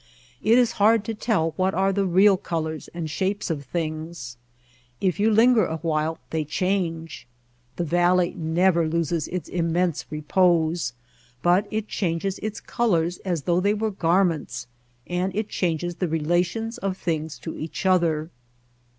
It is hard to tell what are the real colors and shapes of things. If you can linger a while they change. The valley never loses its immense repose, but it changes its colors as though they were garments, and it changes the relations of things to each other.